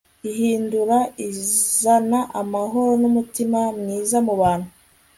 ihindura izana amahoro numutima mwiza mu bantu